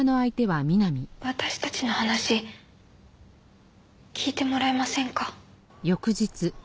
私たちの話聞いてもらえませんか？